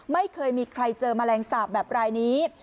ไม่เคยมีใครเจอแมลงสาปแบบรายนี้